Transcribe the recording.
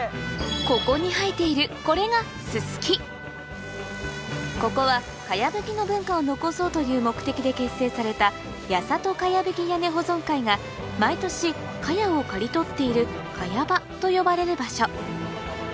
ここに生えているこれがススキここは茅葺きの文化を残そうという目的で結成されたやさと茅葺き屋根保存会が毎年茅を刈り取っている茅場と呼ばれる場所